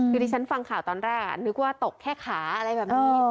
คือที่ฉันฟังข่าวตอนแรกนึกว่าตกแค่ขาอะไรแบบนี้